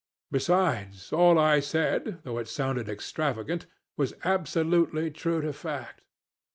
Besides, all I said, though it sounded extravagant, was absolutely true to fact.